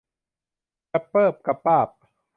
กะเปิ๊บกะป๊าบ